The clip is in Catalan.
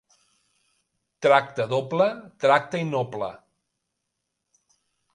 Tracte doble, tracte innoble.